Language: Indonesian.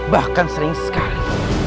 bahkan sering sekali